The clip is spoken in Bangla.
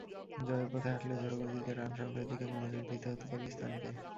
জয়ের পথে হাঁটলে ঝোড়ো গতিতে রান সংগ্রহের দিকেই মনোযোগ দিতে হতো পাকিস্তানকে।